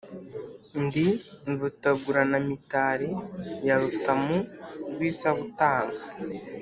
Ndi Mvutaguranamitali ya Rutamu rw'isabutanga,